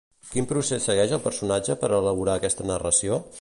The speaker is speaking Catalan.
Quin procés segueix el personatge per a elaborar aquesta narració?